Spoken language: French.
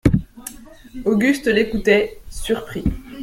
Auguste l'écoutait, surpris.